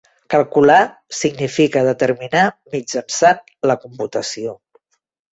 "Calcular" significa determinar mitjançant la computació.